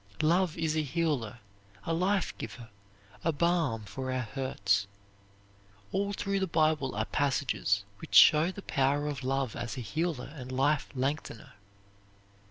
Love is a healer, a life giver, a balm for our hurts. All through the Bible are passages which show the power of love as a healer and life lengthener.